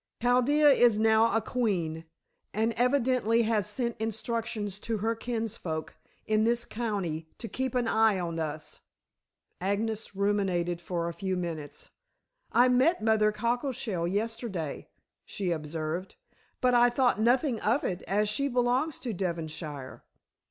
Chaldea is now a queen, and evidently has sent instructions to her kinsfolk in this county to keep an eye on us." Agnes ruminated for a few minutes. "I met Mother Cockleshell yesterday," she observed; "but I thought nothing of it, as she belongs to Devonshire."